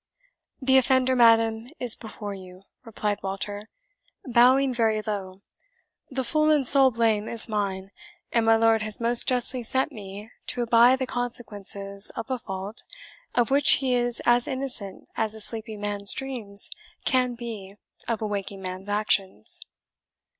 "The offender, madam, is before you," replied Walter, bowing very low; "the full and sole blame is mine; and my lord has most justly sent me to abye the consequences of a fault, of which he is as innocent as a sleeping man's dreams can be of a waking man's actions."